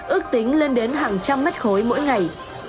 ước tính lên đến hàng trăm mét khối mỗi ngày